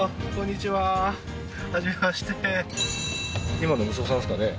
今の息子さんですかね？